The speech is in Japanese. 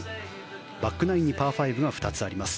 バックナインにパー５が２つあります。